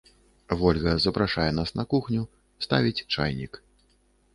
Вольга запрашае нас на кухню, ставіць чайнік.